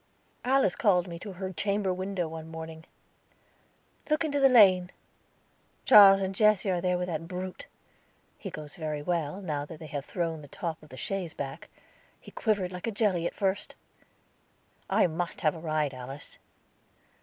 Alice called me to her chamber window one morning. "Look into the lane. Charles and Jesse are there with that brute. He goes very well, now that they have thrown the top of the chaise back; he quivered like a jelly at first." "I must have a ride, Alice."